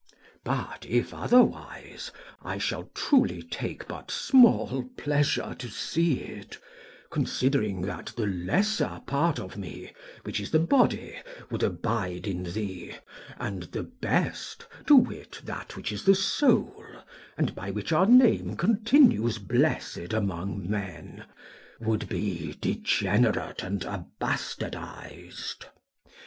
But, if otherwise, I shall truly take but small pleasure to see it, considering that the lesser part of me, which is the body, would abide in thee, and the best, to wit, that which is the soul, and by which our name continues blessed amongst men, would be degenerate and abastardized.